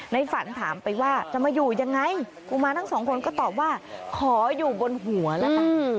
ในฝันถามไปว่าจะมาอยู่ยังไงกุมารทั้งสองคนก็ตอบว่าขออยู่บนหัวแล้วกัน